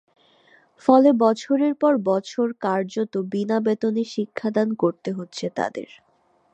ফলে বছরের পর বছর কার্যত বিনা বেতনে শিক্ষাদান করতে হচ্ছে তাঁদের।